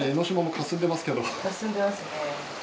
霞んでますね。